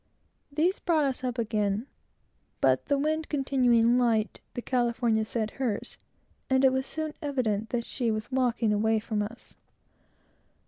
These brought us up again; but the wind continuing light, the California set hers, and it was soon evident that she was walking away from us.